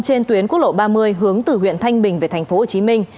trên tuyến quốc lộ ba mươi hướng từ huyện thanh bình về tp hcm